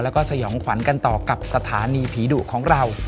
แล้วก็สยองขวัญกันต่อกับสถานีผีดุของเรา